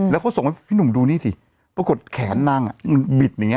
แล้วเขาส่งให้พี่หนุ่มดูนี่สิปรากฏแขนนางมันบิดอย่างนี้